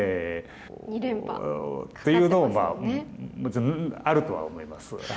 ２連覇。っていうのもあるとは思います。